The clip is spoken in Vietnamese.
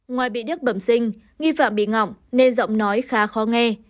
ngoài bị đức bẩm sinh nghi phạm bị ngọng nên giọng nói khá khó nghe